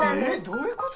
どういうこと？